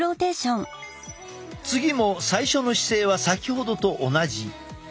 次も最初の姿勢は先ほどと同じ。